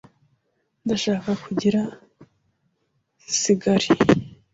Ndashaka kugira sigari.